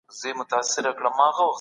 ته به سبا په دې موضوع څېړنه وکړې.